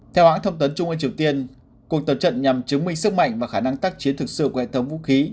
theo hãng thông tấn trung ương triều tiên cuộc tập trận nhằm chứng minh sức mạnh và khả năng tác chiến thực sự của hệ thống vũ khí